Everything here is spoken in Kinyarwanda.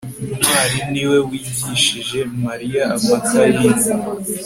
ntwali niwe wigishije mariya amata y'inka